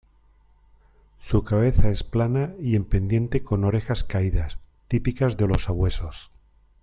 Su cabeza es plana y en pendiente con orejas caídas típicas de los sabuesos.